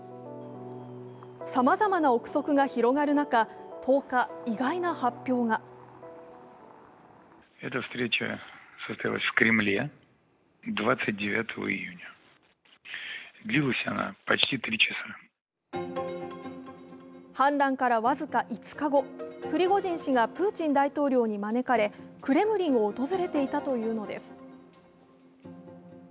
さまざまな臆測が広がる中１０日、意外な発表が氾濫から僅か５日後、プリゴジン氏がプーチン大統領に招かれクレムリンを訪れていたというのです。